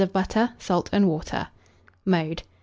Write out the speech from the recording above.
of butter; salt and water. Mode.